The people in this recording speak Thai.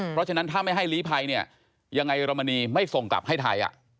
เพราะฉะนั้นถ้าไม่ให้ลีภัยเนี่ยยังไงเยอรมนีไม่ส่งกลับให้ไทย